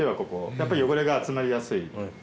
やっぱり汚れが集まりやすい。